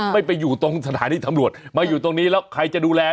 ไปอยู่ตรงสถานีตำรวจมาอยู่ตรงนี้แล้วใครจะดูแล